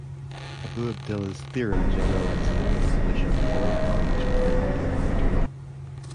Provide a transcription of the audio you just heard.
Abouabdillah's theorem generalizes this solution to all values within the given interval.